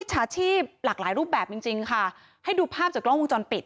พิกษาชีพหลากหลายรูปแบบให้ดูภาพจากกล้องกองจนปิด